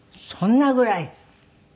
そんなぐらい。